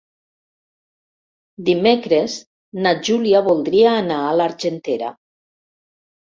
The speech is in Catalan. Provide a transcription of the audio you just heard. Dimecres na Júlia voldria anar a l'Argentera.